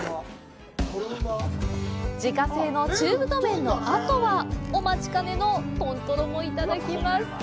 自家製の中太麺のあとはお待ちかねの豚トロもいただきます！